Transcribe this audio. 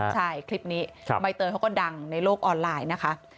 ใช่คลิปนี้ใบเตยเขาก็ดังในโลกออนไลน์นะคะ